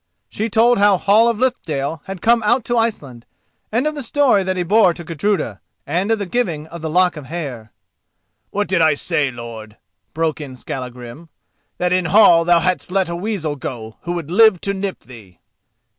She told how Hall of Lithdale had come out to Iceland, and of the story that he bore to Gudruda, and of the giving of the lock of hair. "What did I say, lord?" broke in Skallagrim—"that in Hall thou hadst let a weasel go who would live to nip thee?"